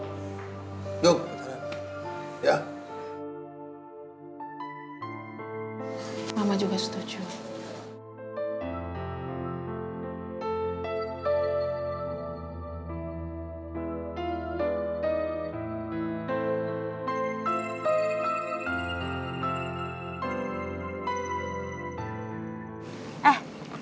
mama juga setuju